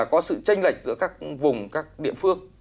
có sự tranh lệch giữa các vùng các địa phương